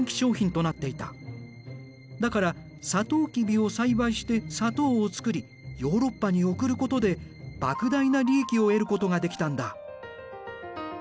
だからさとうきびを栽培して砂糖をつくりヨーロッパに送ることでばく大な利益を得ることができたんだ。